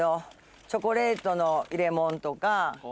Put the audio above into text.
チョコレートの入れ物とか。